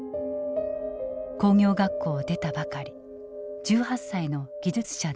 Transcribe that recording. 工業学校を出たばかり１８歳の技術者だった。